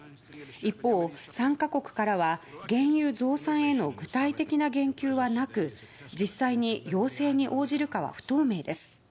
一方、参加国からは原油増産への具体的な言及はなく実際に要請に応じるかは不透明です。